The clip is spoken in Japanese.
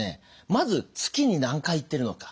まず月に何回行ってるのか。